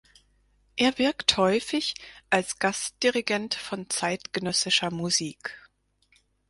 Er wirkt häufig als Gastdirigent von zeitgenössischer Musik.